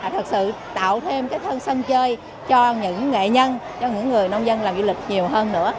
thật sự tạo thêm cái thân sân chơi cho những nghệ nhân cho những người nông dân làm nghị lực nhiều hơn nữa